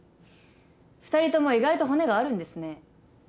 ２人とも意外と骨があるんですね。